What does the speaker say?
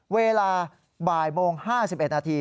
เวลาบ่ายโมง๕๑นาที